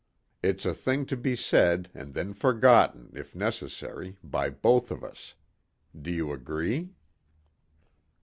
It's a thing to be said and then forgotten, if necessary, by both of us. Do you agree?"